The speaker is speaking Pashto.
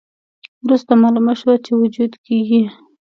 وروسته مالومه شوه چې وجود کې یې